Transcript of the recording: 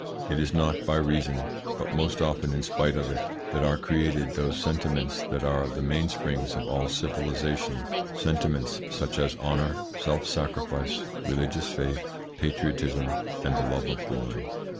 It is not by reason, but most often in spite of it, that are created those sentiments that are the mainsprings of all civilisation sentiments such as honour, self sacrifice, religious faith, patriotism, and the love of glory.